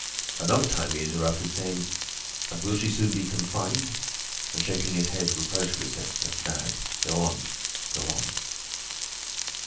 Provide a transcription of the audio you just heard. Another time he interrupted, saying: "And will she soon be confined?" and shaking his head reproachfully said: "That's bad! Go on, go on."